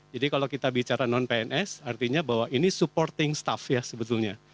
jadi kalau kita bicara non pns artinya bahwa ini supporting staff ya sebetulnya